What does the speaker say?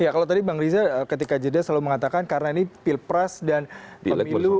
ya kalau tadi bang riza ketika jeda selalu mengatakan karena ini pilpres dan pemilu